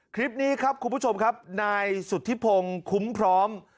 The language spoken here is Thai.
คลิปนี้ครับคุณผู้ชมครับนายสุธิพงศ์คุ้มพร้อม